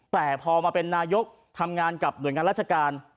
แต่พอมาเป็นนายกทำงานกับหน่วยงานราชการ